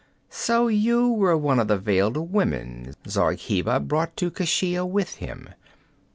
So you were one of the veiled women Zargheba brought to Keshia with him.